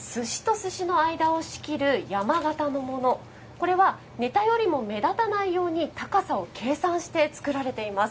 これはネタよりも目立たないように高さを計算して作られています。